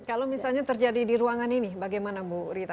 kalau misalnya terjadi di ruangan ini bagaimana bu rita